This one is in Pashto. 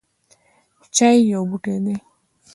چای یو بوټی دی